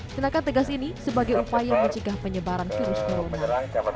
tindakan tegas ini sebagai upaya mencegah penyebaran virus corona